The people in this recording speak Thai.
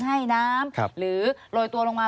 ให้น้ำหรือโรยตัวลงมา